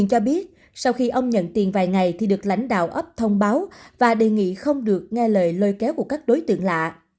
nhận tiền vài ngày thì được lãnh đạo ấp thông báo và đề nghị không được nghe lời lôi kéo của các đối tượng lạ